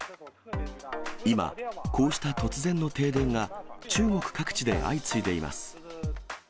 今、こうした突然の停電が、中国各地で相次いでいます。